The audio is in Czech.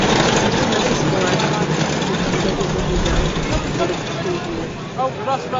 Musíme se spoléhat, v tomto případě bohužel, na politickou vůli.